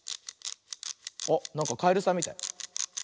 あっなんかカエルさんみたい。